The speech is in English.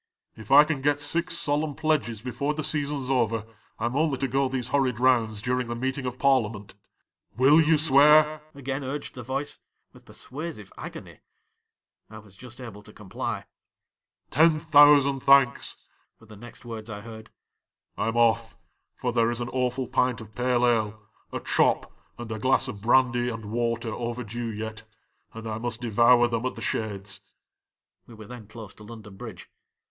'" If I can get six solemn pledges before the season 's over, I 'm only to go these horrid rounds during the meeting of Parb'ament." '" Will you swear?" again urged the voice, with persuasive agony. ' I was just able to comply. '"Ten thousand thanks!" were the next words I heard ;" I !m off, for there is an awful pint of pale ale, a chop, and a glass of brandy and water overdue yet, and I must devour them at the Shades." (We were then close to London Bridge.)